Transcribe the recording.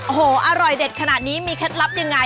โอ้โหอร่อยเด็ดขนาดนี้มีเคล็ดลับยังไง